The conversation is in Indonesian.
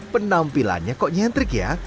penampilannya kok nyentrik ya